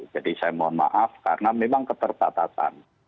jadi saya mohon maaf karena memang keterbatasan